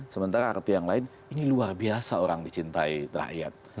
sementara arti yang lain ini luar biasa orang dicintai rakyat